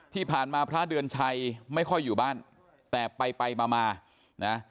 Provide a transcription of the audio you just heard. ที่ผ่านมาพระเดือนชัยไม่ค่อยอยู่บ้านแต่ไปไปมามานะ